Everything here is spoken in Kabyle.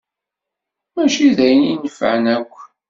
Mačči d ayen inefɛen akk.